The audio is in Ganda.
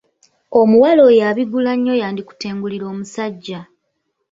Omuwala oyo abigula nnyo yandikutengulira omusajja.